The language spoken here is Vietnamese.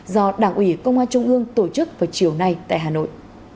do đảng ủy công an trung ương tổ chức vào chiều nay tại hà nội